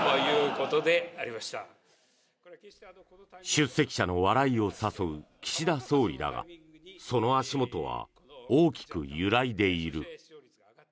出席者の笑いを誘う岸田総理だがその足元は大きく揺らいでいる。